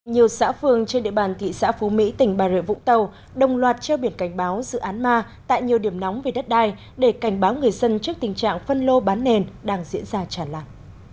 nhiều xã phường trên địa bàn thị xã phú mỹ tỉnh bà rịa vũng tàu đồng loạt treo biển cảnh báo dự án ma tại nhiều điểm nóng về đất đai để cảnh báo người dân trước tình trạng phân lô bán nền đang diễn ra tràn lạc